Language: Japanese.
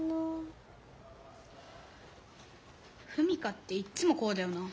史佳っていっつもこうだよな。